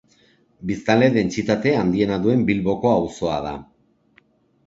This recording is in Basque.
Biztanle dentsitate handiena duen Bilboko auzoa da.